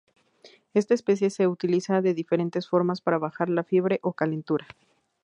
Esta especie se utiliza de diferentes formas para bajar la fiebre o calentura.